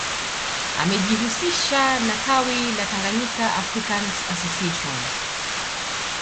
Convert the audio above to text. Amejihusisha na tawi la Tanganyika African Association